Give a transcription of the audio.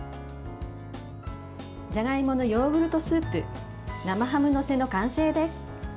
じゃがいものヨーグルトスープ生ハムのせの完成です。